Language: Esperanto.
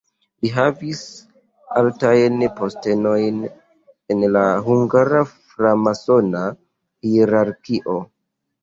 Li havis altajn postenojn en la hungara framasona hierarkio.